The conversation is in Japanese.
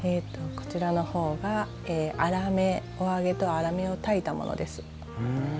こちらの方がお揚げとあらめを炊いたものです。